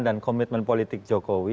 dan komitmen politik jokowi